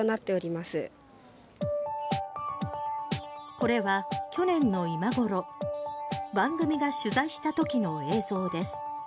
これは去年の今頃番組が取材したときの映像です。